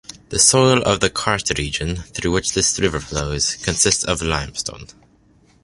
The soil of the karst region, through which this river flows consists of limestone.